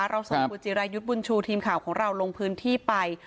เราส่งคุณจิรายุทธ์บุญชูทีมข่าวของเราลงพื้นที่ไป